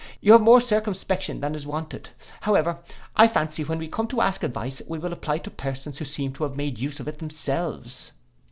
You have more circumspection than is wanted. However, I fancy when we come to ask advice, we will apply to persons who seem to have made use of it themselves.